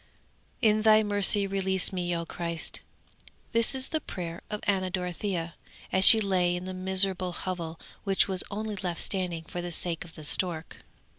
In Thy mercy release me, O Christ!' 'This was the prayer of Anna Dorothea, as she lay in the miserable hovel which was only left standing for the sake of the stork.